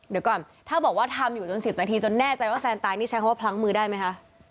เดี๋ยวก่อนถ้าบอกว่าทำอยู่จน๑๐นาทีจนแน่ใจว่าแฟนตายนี่ใช้คำว่าพลั้งมือได้ไหมคะ